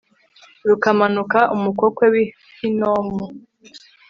rukamanuka umukokwe w'i hinomu